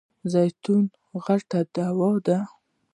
زیتون غټه دوا ده .